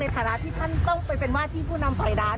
ฐานะที่ท่านต้องไปเป็นว่าที่ผู้นำฝ่ายรัฐ